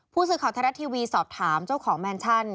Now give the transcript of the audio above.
ผู้สื่อข่าวไทยรัฐทีวีสอบถามเจ้าของแมนชั่น